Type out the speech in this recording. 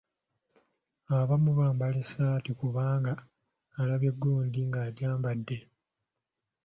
Abamu bambala esaati kubanga alabye gundi ng'agyambadde.